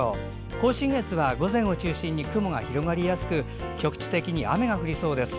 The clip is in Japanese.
甲信越は午前を中心に雲が広がりやすく局地的に雨が降りそうです。